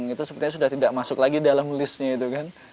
itu sepertinya sudah tidak masuk lagi dalam listnya itu kan